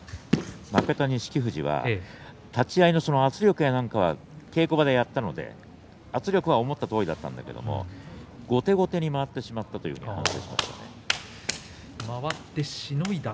負けた錦富士は立ち合いの圧力は稽古場でやったので思ったとおりだったんだけれども後手後手に回ってしまったという話をしていました。